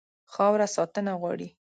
خاوره ساتنه غواړي.